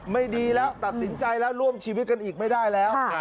ไม่ดีแล้วตัดสินใจแล้วร่วมชีวิตกันอีกไม่ได้แล้ว